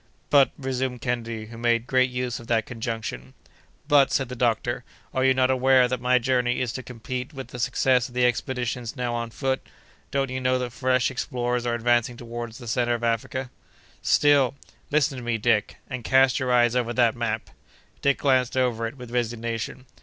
"But," resumed Kennedy, who made great use of that conjunction. "But," said the doctor, "are you not aware that my journey is to compete with the success of the expeditions now on foot? Don't you know that fresh explorers are advancing toward the centre of Africa?" "Still—" "Listen to me, Dick, and cast your eyes over that map." Dick glanced over it, with resignation.